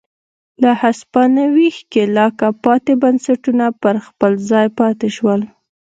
له هسپانوي ښکېلاکه پاتې بنسټونه پر خپل ځای پاتې شول.